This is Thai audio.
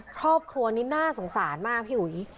ครอบครัวนี้น่าสงสารมากพี่อุ๋ย